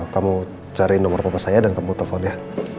kamu cari nomor papa saya dan kamu telepon ya